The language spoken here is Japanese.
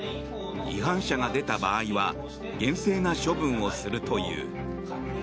違反者が出た場合は厳正な処分をするという。